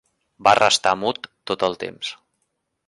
Va restar mut tot el temps.